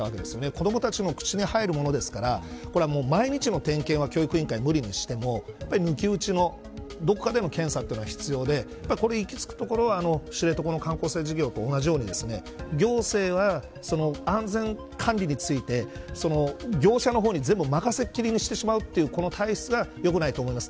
子どもたちの口に入るものですからこれは毎日の点検は教育委員会は無理にしても抜き打ちの検査は必要でこれは行き着くところは知床の観光船事業と同じように行政は安全管理について業者の方に全部任せっきりにしてしまうという体質がよくないと思います。